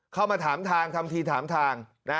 เข้ามาถามทางทำทีถามทาง